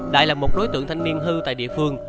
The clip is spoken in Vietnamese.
đại là một đối tượng thanh niên hư tại địa phương